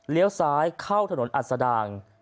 เหลียวซ้ายเข้าถนนอัดสดาง